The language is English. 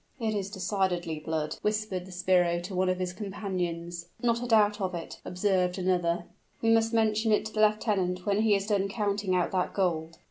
"It is decidedly blood," whispered the sbirro to one of his companions. "Not a doubt of it," observed another. "We must mention it to the lieutenant when he has done counting out that gold."